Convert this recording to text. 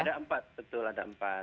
ada empat betul ada empat